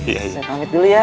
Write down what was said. saya pamit dulu ya